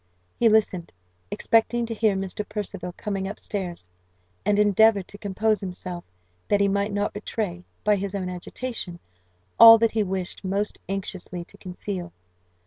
He listened, expecting to hear Mr. Percival coming up stairs, and endeavoured to compose himself, that he might not betray, by his own agitation, all that he wished most anxiously to conceal.